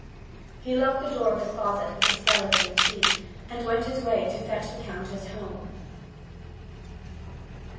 He locked the door of the closet with a skeleton key, and went his way to fetch the Countess home.